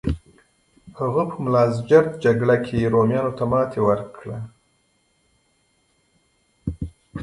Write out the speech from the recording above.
هغه په ملازجرد جګړه کې رومیانو ته ماتې ورکړه.